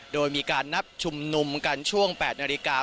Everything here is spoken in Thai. โดยมีการนัดชุมนุมกันช่วง๘นาฬิกา